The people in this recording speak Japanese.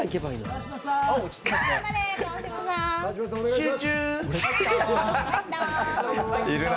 集中！